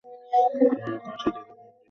তিনি কাশী থেকে "পণ্ডিতা" উপাধি অর্জন করেছিলেন।